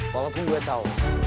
walaupun gua tau